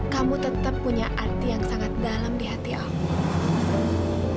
kamu tetap punya arti yang sangat dalam di hati aku